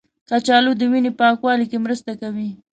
کچالو د وینې پاکوالي کې مرسته کوي.